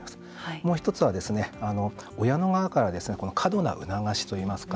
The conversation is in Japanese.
もう一つは、親の側から過度な促しといいますか。